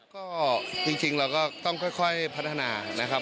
ก็จริงเราก็ต้องค่อยพัฒนานะครับ